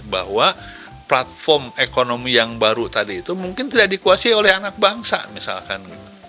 bahwa platform ekonomi yang baru tadi itu mungkin tidak dikuasai oleh anak bangsa misalkan